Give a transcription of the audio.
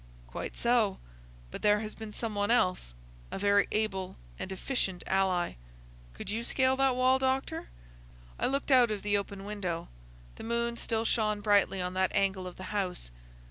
"Quite so. But there has been some one else,—a very able and efficient ally. Could you scale that wall, doctor?" I looked out of the open window. The moon still shone brightly on that angle of the house.